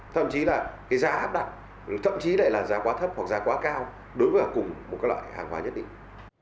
thậm chí là cái giá áp đặt thậm chí lại là giá quá thấp hoặc giá quá cao đối với cùng một loại hàng hóa nhất định